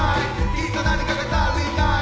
きっと何かが足りない